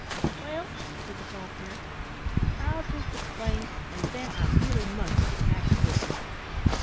"Well," said the False Hare, "I'll just explain, and then I really must get back to business.